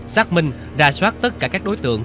xác minh ra soát tất cả các đối tượng